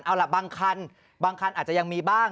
เอาล่ะบางคันบางคันอาจจะยังมีบ้าง